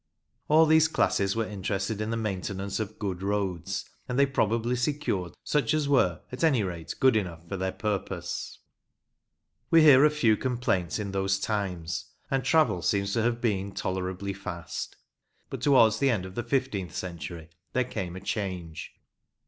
All these classes were interested in the maintenance of good roads, and they probably secured such as were at any rate good enough for their purpose. We hear of few complaints in those times, and travel seems to have been tolerably fast. But towards the end of the fifteenth century there came a change.